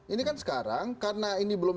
ini kan sekarang karena ini belum